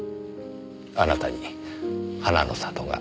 あなたに花の里が。